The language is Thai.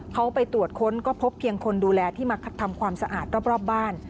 เขาไปตรวจค้นก็พบเพียงคนดูแลที่มาทำความสะอาดรอบบ้าน